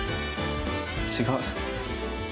違う。